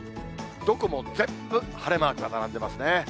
どこも全部晴れマークが並んでますね。